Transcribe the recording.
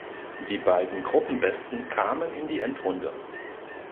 Die beiden Gruppenbesten kamen in die Endrunde.